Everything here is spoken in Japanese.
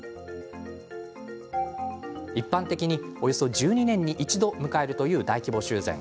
一般的におよそ１２年に一度迎えるという大規模修繕。